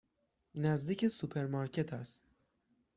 نزدیک سوپرمارکت است.